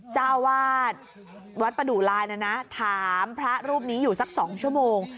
เจ้าวาดวัดประดูลายนะนะถามพระรูปนี้อยู่สัก๒ชั่วโมง